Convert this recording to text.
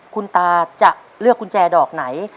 คุณตาจะเลือกกุญแจดอกไหน